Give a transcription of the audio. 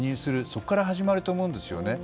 そこから始まると思うんですね。